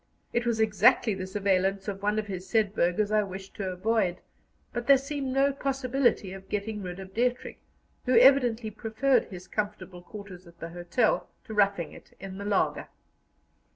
It was exactly the surveillance of one of his said burghers I wished to avoid; but there seemed no possibility of getting rid of Dietrich, who evidently preferred his comfortable quarters at the hotel to roughing it in the laager.